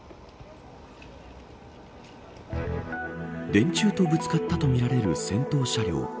電柱とぶつかったとみられる先頭車両。